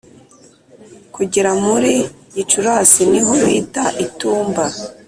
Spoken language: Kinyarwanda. kugera muri Gicurasi ni ho bita itumba